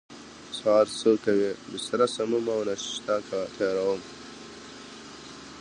سهار څه کوئ؟ بستره سموم او ناشته تیاروم